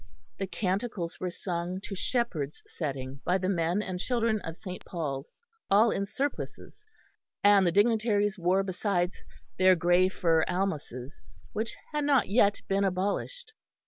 The canticles were sung to Shephard's setting by the men and children of St. Paul's all in surplices: and the dignitaries wore besides their grey fur almuces, which had not yet been abolished.